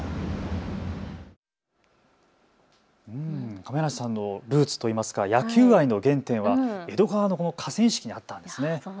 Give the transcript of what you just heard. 亀梨さんのルーツといいますか野球愛の原点は江戸川の河川敷にあったんですね。